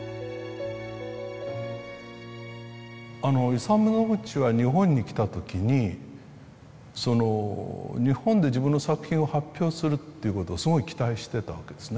イサム・ノグチは日本に来た時に日本で自分の作品を発表するということをすごい期待してたわけですね。